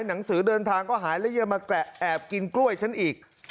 หนังสือเดินทางก็หายแล้วยังมาแกะแอบกินกล้วยฉันอีก